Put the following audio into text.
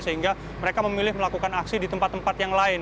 sehingga mereka memilih melakukan aksi di tempat tempat yang lain